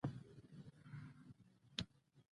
د افغانستان په منظره کې ژبې ښکاره لیدل کېږي.